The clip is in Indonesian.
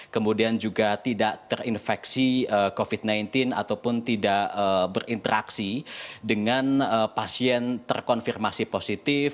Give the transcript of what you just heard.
kemudian juga tidak terinfeksi covid sembilan belas ataupun tidak berinteraksi dengan pasien terkonfirmasi positif